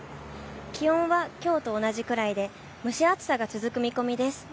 気温はきょうと同じくらいで蒸し暑さが続く見込みです。